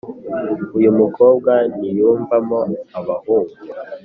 uyumukobwa ntiyumvamo abahungu